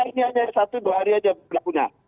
ini hanya satu dua hari saja berlakunya